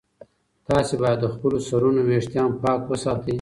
تاسي باید د خپلو سرونو ویښتان پاک وساتئ.